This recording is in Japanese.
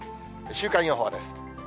週間予報です。